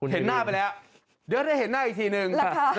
เห็นหน้าไปแล้วเดี๋ยวได้เห็นหน้าอีกทีนึง